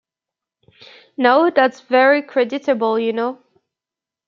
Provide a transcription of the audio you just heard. Now that's very creditable, you know.